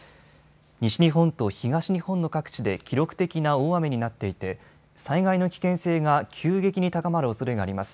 西日本と東日本の各地で記録的な大雨になっていて災害の危険性が急激に高まるおそれがあります。